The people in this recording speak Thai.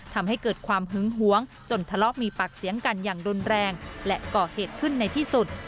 ทำให้เกิดความหึงหวงจนทะเลาะมีปากเสียงกันอย่างรุนแรงและก่อเหตุขึ้นในที่สุด